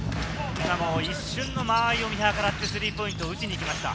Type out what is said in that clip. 今も一瞬の間合いを見計らってスリーポイントを打ちに行きました。